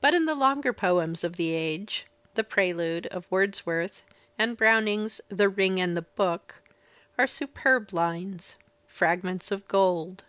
But in the longer poems of the age, "The Prelude of Wordsworth, and Browning's "The Ring and the Book," are superb lines — fragments of gold.